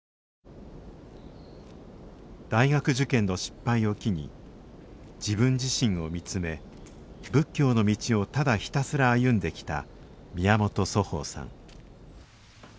大学受験の失敗を機に自分自身を見つめ仏教の道をただひたすら歩んできた宮本祖豊さん